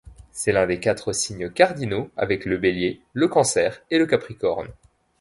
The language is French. C'est l'un des quatre signes cardinaux avec le Bélier, le Cancer et le Capricorne.